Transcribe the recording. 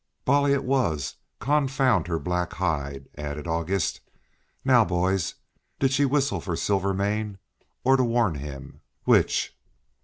"Bolly it was, confound her black hide!" added August. "Now, boys, did she whistle for Silvermane, or to warn him, which?"